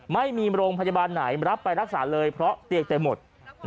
ไม่มีโรงพยาบาลไหนรับไปรักษาเลยเพราะเตียงเต็มหมด